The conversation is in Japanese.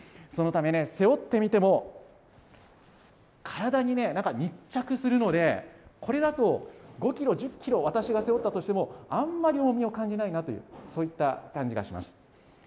そのため、背負ってみても、体になんか密着するので、これだと５キロ、１０キロ、私が背負ったとしても、あんまり重みを感じないなという、そういった感じがします。